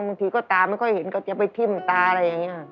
บางทีก็ตาไม่ค่อยเห็นก็จะไปทิ้มตาอะไรอย่างนี้